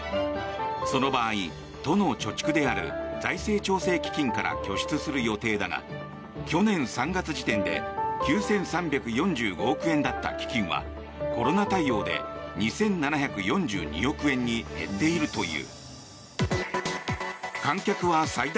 その場合、都の貯蓄である財政調整基金から拠出する予定だが去年３月時点で９３４５億円だった基金はコロナ対応で２７４２億円に減っているという。